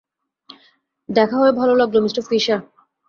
দেখা হয়ে ভালো লাগল, মিঃ ফিশার।